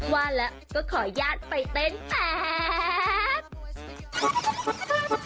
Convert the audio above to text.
ว่าแล้วก็ขออนุญาตไปเต้นแป๊บ